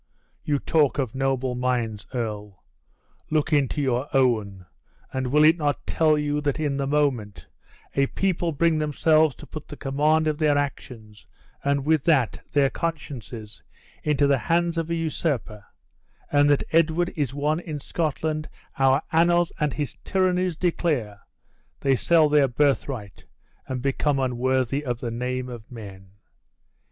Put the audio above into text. You talk of noble minds, earl; look into your own, and will it not tell you that in the moment a people bring themselves to put the command of their actions, and with that, their consciences, into the hands of a usurper (and that Edward is one in Scotland our annals and his tyrannies declare), they sell their birthright and become unworthy the name of men?